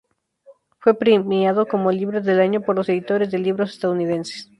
Fue premiado como "Libro del Año" por los Editores de Libros Estadounidenses.